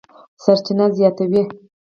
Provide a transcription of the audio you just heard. سرچینه زیاتوي،